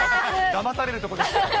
だまされるところでした。